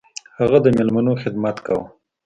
هغه د میلمنو خدمت کاوه.